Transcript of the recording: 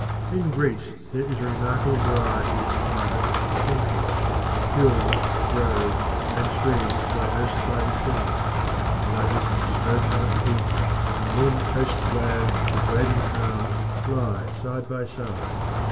In Greece there is a remarkable variety of climate and contour; hills, groves, and streams diversify the scene; rugged, snow covered peaks and warm coast lands with waving palms lie side by side.